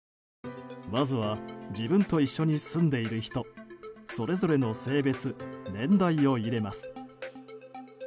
まずは自分と一緒に住んでいる人それぞれの性別年代を入れます。